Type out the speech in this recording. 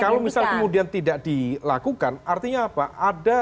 kalau misal kemudian tidak dilakukan artinya apa